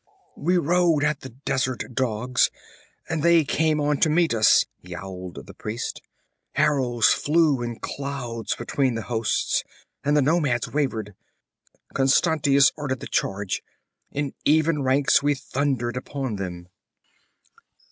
'We rode at the desert dogs and they came on to meet us!' yowled the priest. 'Arrows flew in clouds between the hosts, and the nomads wavered. Constantius ordered the charge. In even ranks we thundered upon them.